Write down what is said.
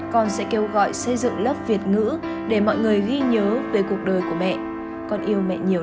con sẽ kêu gọi xây dựng lớp việt ngữ để mọi người ghi nhớ về cuộc đời của mẹ